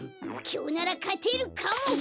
きょうならかてるかも！